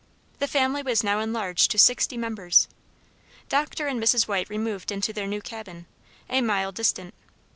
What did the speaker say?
The family was now enlarged to sixty members. Dr. and Mrs. White removed into their new cabin a mile distant.